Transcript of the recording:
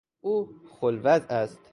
او خل وضع است.